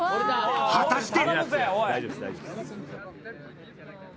果たして⁉